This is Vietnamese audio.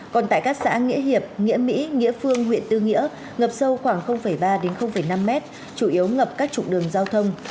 còn tại các xã nghĩa hiệp nghĩa mỹ nghĩa phương huyện tư nghĩa ngập sâu khoảng ba đến năm mét chủ yếu ngập các trục đường giao thông